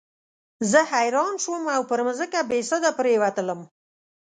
زه حیران شوم او پر مځکه بېسده پرېوتلم.